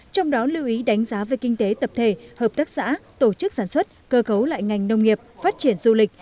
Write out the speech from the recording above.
trong đó lưu ý đánh giá về kinh tế tập thể hợp tác xã tổ chức sản xuất cơ cấu lại ngành nông nghiệp phát triển du lịch